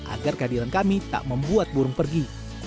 agar kehadiran kami tak membuat burung pergi